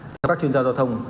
theo các chuyên gia giao thông